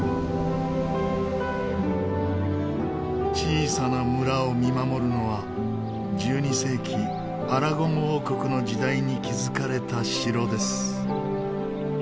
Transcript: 小さな村を見守るのは１２世紀アラゴン王国の時代に築かれた城です。